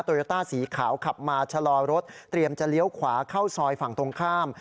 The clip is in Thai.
โยต้าสีขาวขับมาชะลอรถเตรียมจะเลี้ยวขวาเข้าซอยฝั่งตรงข้าม